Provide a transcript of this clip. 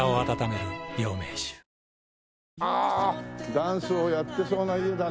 ダンスをやってそうな家だね。